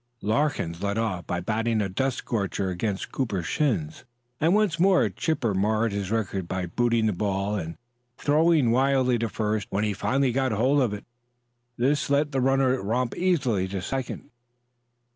Larkins led off by batting a dust scorcher against Cooper's shins, and once more Chipper marred his record by booting the ball and throwing wild to first when he finally got hold of it. This let the runner romp easily to second.